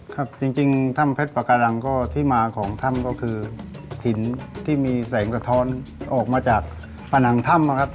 ครับจริงถ้ำเพชรปาการังก็ที่มาของถ้ำก็คือหินที่มีแสงสะท้อนออกมาจากผนังถ้ำนะครับ